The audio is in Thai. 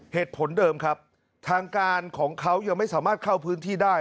เหตุผลเดิมครับทางการของเขายังไม่สามารถเข้าพื้นที่ได้